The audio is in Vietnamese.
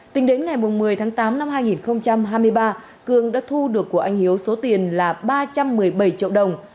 tính đến ngày một mươi tháng tám năm hai nghìn hai mươi ba cương đã thu được của anh hiếu số tiền là ba trăm một mươi bảy triệu đồng